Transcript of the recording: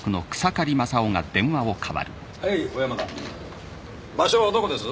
はい小山田場所はどこです？